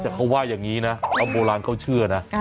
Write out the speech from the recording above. แต่เขาว่าอย่างนี้นะโบราณเขาเชื่อนะ